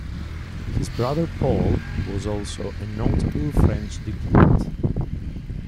His brother, Paul, was also a notable French diplomat.